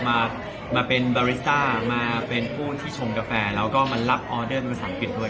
มาเป็นบาริสต้ามาเป็นผู้ที่ชมกาแฟแล้วก็มารับออเดอร์เป็นภาษาอังกฤษด้วย